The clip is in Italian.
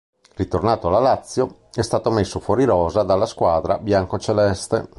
Ritornato alla Lazio, è stato messo fuori rosa dalla squadra biancoceleste.